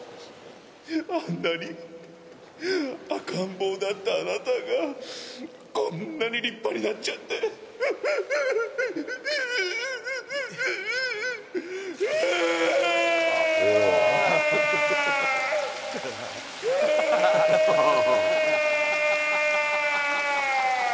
あんなに赤ん坊だったあなたがこんなに立派になっちゃってうっうっうっうっうあーんうあああ！